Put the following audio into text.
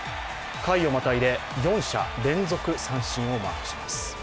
回をまたいで４者連続三振をマークします。